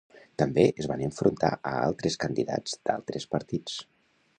També es van enfrontar a altres candidats d'altres partits.